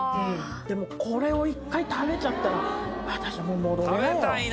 でもこれを一回食べちゃったら私もう戻れないよ。